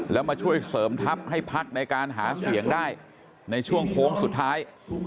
แล้วมาช่วยเสริมทัพให้พักในการหาเสียงได้ในช่วงโค้งสุดท้าย